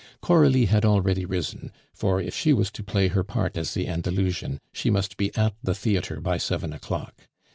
Coralie had already risen; for if she was to play her part as the Andalusian, she must be at the theatre by seven o'clock.